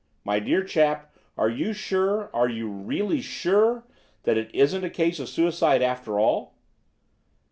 My dear chap, are you sure, are you really sure, that it isn't a case of suicide after all?"